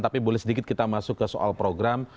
tapi boleh sedikit kita masuk ke soal program